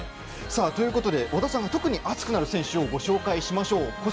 織田さんが特に熱くなる選手をご紹介しましょう。